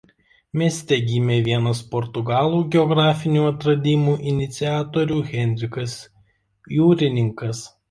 Mieste gimė vienas portugalų geografinių atradimų iniciatorių Henrikas Jūrininkas.